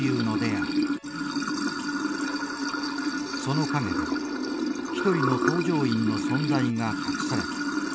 その陰で１人の搭乗員の存在が隠された。